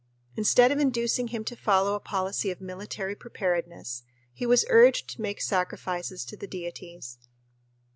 Instead of inducing him to follow a policy of military preparedness, he was urged to make sacrifices to the deities.